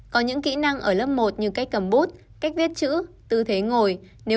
có những kỹ năng ở lớp một như cách cầm bút cách viết chữ tư thế ngồi nếu